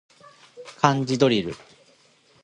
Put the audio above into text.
漢字ドリル